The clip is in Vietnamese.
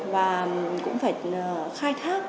và cũng phải khai thác